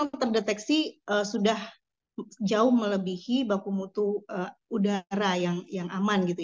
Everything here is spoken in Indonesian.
itu memang terdeteksi sudah jauh melebihi baku mutu udara yang aman